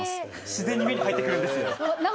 自然に目に入ってくるんですよ。